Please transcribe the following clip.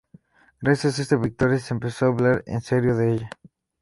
Gracias a esta victoria se empezó a hablar en serio de ella.